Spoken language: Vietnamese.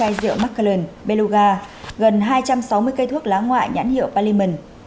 hai kg rượu macallan beluga gần hai trăm sáu mươi cây thuốc lá ngoại nhãn hiệu palimun